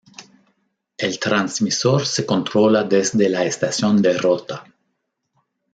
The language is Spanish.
El transmisor se controla desde la estación de Rota.